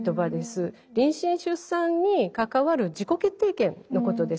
妊娠・出産に関わる自己決定権のことです。